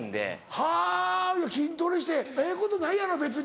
はぁ筋トレしてええことないやろ別に。